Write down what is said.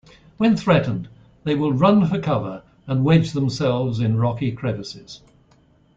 When threatened, they will run for cover and wedge themselves in rocky crevices.